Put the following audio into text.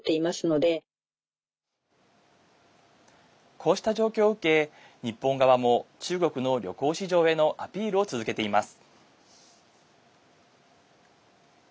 こうした状況を受け、日本側も中国の旅行市場へのアピールを続けています。